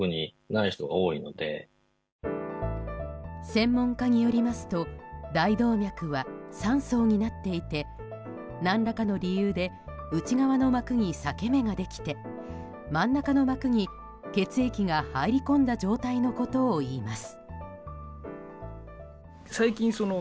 専門家によりますと大動脈は３層になっていて何らかの理由で内側の膜に裂け目ができて真ん中の膜に血液が入り込んだ状態のことをいいます。